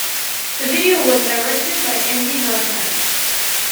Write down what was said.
The video was directed by Andy Neumann.